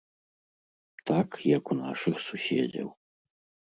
Так, як у нашых суседзяў.